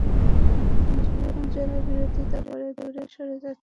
এখন যাঁরা বিরোধিতা করে দূরে সরে যাচ্ছেন, পরে তাঁরা ফিরে আসবেন।